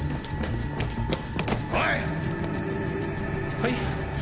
はい？